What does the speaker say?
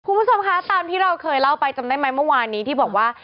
คุณผู้ชมคะตามที่เราเคยเล่าไปจำได้ไหมเมื่อวานนี้ที่บอกว่า